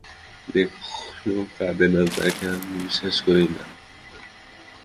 যে কখনও কাঁদে না, তাহাকে আমি বিশ্বাস করি না।